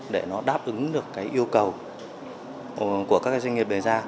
để nó đáp ứng được cái yêu cầu của các doanh nghiệp bề ra